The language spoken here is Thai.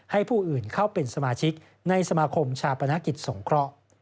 ให้ผู้อื่นเข้าเป็นสมาชิกในสมาคมชาปนกิจสงเคราะห์